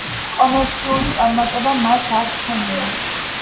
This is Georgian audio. კომერციული წარმატება მას არ ჰქონია.